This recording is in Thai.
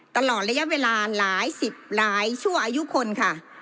ตลอดระยะเวลาหลายสิบหลายชั่วอายุคนค่ะ